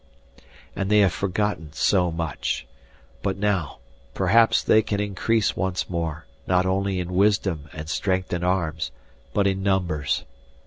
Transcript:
And they have forgotten so much. But now, perhaps they can increase once more, not only in wisdom and strength of arms, but in numbers.